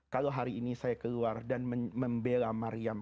kalau hari ini saya keluar dan membela mariam